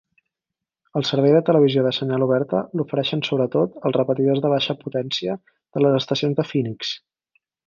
El servei de televisió de senyal oberta l'ofereixen sobre tot els repetidors de baixa potència de les estacions de Phoenix.